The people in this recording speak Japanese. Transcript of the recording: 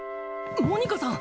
モニカさん